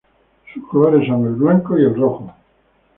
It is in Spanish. Sus colores son el blanco y rojo.